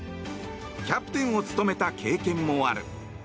キャプテンを務めた経験もある。